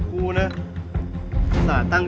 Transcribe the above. รู้ไหมนะ